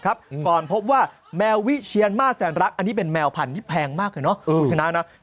ก่อนพบว่าแมววิเชียร์มาสแหทรักอันนี้เป็นแมวพันธุ์ที่แพงมากในที่นี่นะ